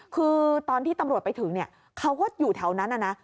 คือตอนที่ตำรวจไปถึงเนี่ยเขาก็อยู่แถวนั้นนะ